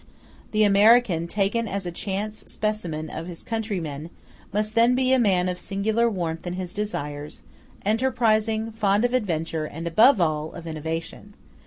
The American, taken as a chance specimen of his countrymen, must then be a man of singular warmth in his desires, enterprising, fond of adventure, and, above all, of innovation.